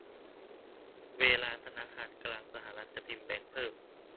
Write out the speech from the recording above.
เวลาธนาคารกลางสหรัฐจะพิมพ์แบงก์เพิ่ม